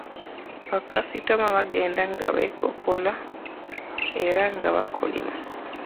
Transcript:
Bakasitoma bagenda nga b'ekokkola era nga bakolima.